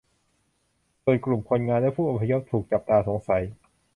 ส่วนกลุ่มคนงานและผู้อพยพถูกจับตาสงสัย